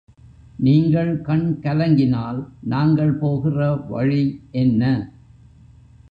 நீங்கள் கண் கலங்கினால், நாங்கள் போகிற வழி என்ன?